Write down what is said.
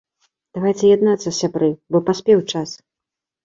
Давайце яднацца, сябры, бо прыспеў час.